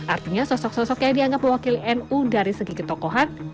artinya sosok sosok yang dianggap mewakili nu dari segi ketokohan